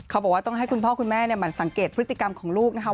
เขาบอกว่าต้องให้คุณพ่อคุณแม่มันสังเกตพฤติกรรมของลูกนะคะ